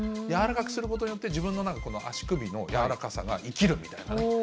軟らかくすることによって、自分の足首の軟らかさが生きるみたいなね。